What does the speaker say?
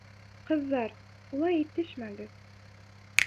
Ҡыҙҙар, улай итешмәгеҙ.